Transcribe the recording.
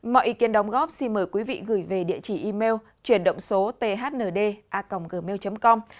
mọi ý kiến đóng góp xin mời quý vị gửi về địa chỉ email chuyển động số thnda gmail com